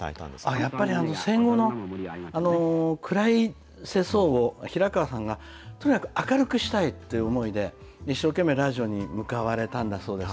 やっぱり戦後の暗い世相を平川さんがとにかく明るくしたいという思いで、一生懸命ラジオに向かわれたんだそうです。